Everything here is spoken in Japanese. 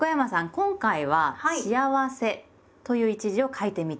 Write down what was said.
今回は「『幸』せ」という一字を書いてみて下さい。